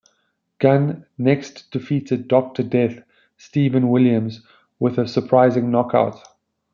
Gunn next defeated "Doctor Death" Steve Williams, with a surprising knockout.